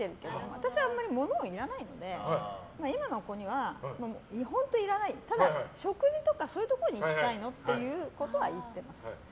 私はあまり物はいらないので今の子には、本当いらないただ食事とか、そういうところに行きたいのっていうことは言ってます。